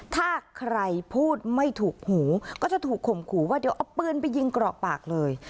ถ้าใครพูดไม่ถูกหูก็จะถูกข่มขู่ว่าเดี๋ยวเอาปืนไปยิงกรอกปากเลย